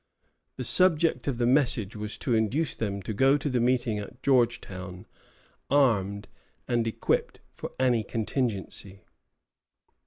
The object of the message was to induce them to go to the meeting at Georgetown armed and equipped for any contingency.